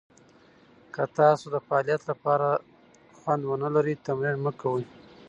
که تاسو د فعالیت لپاره خوند ونه لرئ، تمرین مه کوئ.